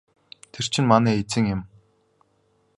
Тэр чинь манай эзэн юм.